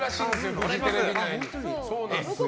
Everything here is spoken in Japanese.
フジテレビ内に。